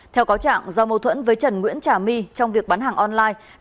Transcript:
theo cáo trạng do mâu thuẫn với trần nguyễn trà my trong việc bán hàng online